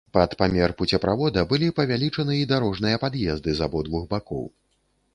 Пад памер пуцеправода былі павялічаны і дарожныя пад'езды з абодвух бакоў.